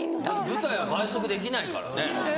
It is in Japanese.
舞台は倍速できないからね。